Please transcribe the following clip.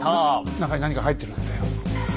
中に何か入ってるんだよ。